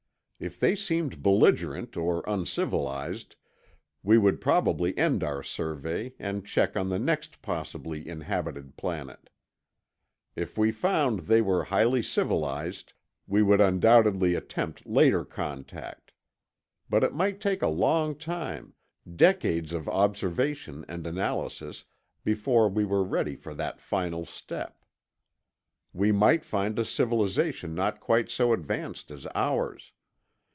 If they seemed belligerent or uncivilized, we would probably end our survey and check on the next possibly inhabited planet. If we found they were highly civilized, we would undoubtedly attempt later contact. But it might take a long time, decades of observation and analysis, before we were ready for that final step. We might find a civilization not quite so advanced as ours.